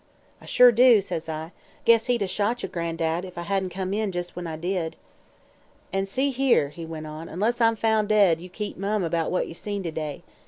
"'I sure do,' says I. 'Guess he'd 'a' shot ye, Gran'dad, if I hadn't come in just when I did.' "'An' see here,' he went on, 'unless I'm foun' dead, you keep mum 'bout what ye seen to day.